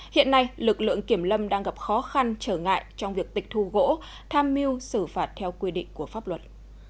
hiện nay lực lượng kiểm lâm đang gặp khó khăn trở ngại trong việc tịch thu gỗ tham mưu xử phạt theo quy định của pháp luật